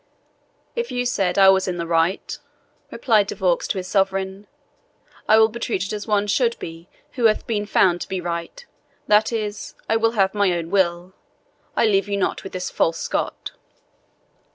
"If you said I was in the right," replied De Vaux to his sovereign, "I will be treated as one should be who hath been found to be right that is, I will have my own will. I leave you not with this false Scot."